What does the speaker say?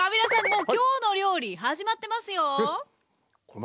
もう「きょうの料理」始まってますよ。え！